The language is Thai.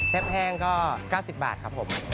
แห้งก็๙๐บาทครับผม